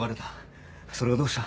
それがどうした。